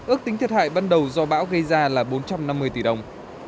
ước tính thiệt hại ban đầu do bão gây ra là bốn trăm năm mươi tỷ đồng